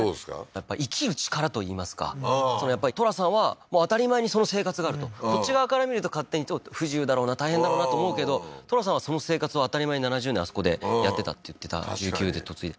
やっぱ生きる力といいますかやっぱりトラさんは当たり前にその生活があるとこっち側から見ると勝手に不自由だろうな大変だろうなと思うけどトラさんはその生活を当たり前に７０年あそこでやってたって言ってた１９で嫁いで